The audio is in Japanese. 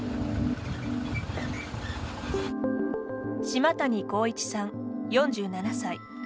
島谷浩一さん、４７歳。